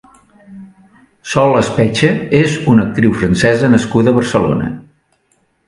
Sol Espeche és una actriu francesa nascuda a Barcelona.